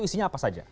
isinya apa saja